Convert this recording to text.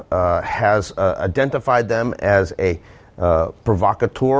telah mengenal mereka sebagai provokator